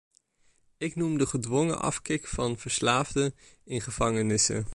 Ik noem de gedwongen afkick van verslaafden in gevangenissen.